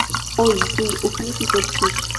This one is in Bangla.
ওই, তুই ওখানে কি করছিস?